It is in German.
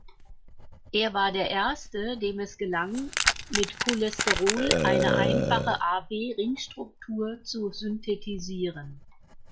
Er war der erste, dem es gelang, mit Cholesterol eine einfache A-B-Ringstruktur zu synthetisieren.